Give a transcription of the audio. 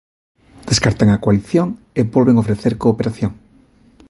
Descartan a coalición e volven ofrecer cooperación.